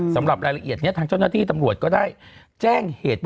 สำหรับรายละเอียดนี้ทางเจ้าหน้าที่ตำรวจก็ได้แจ้งเหตุ